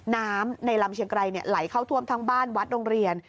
น้ำในลำเชียงไกรไหลเข้าท่วมทั้งบ้านวัดโรงเรียน